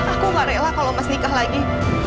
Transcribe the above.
aku gak rela kalau emas nikah lagi